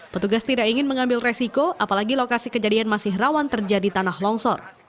petugas tidak ingin mengambil resiko apalagi lokasi kejadian masih rawan terjadi tanah longsor